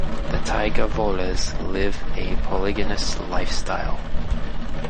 The taiga voles live a polygynous lifestyle.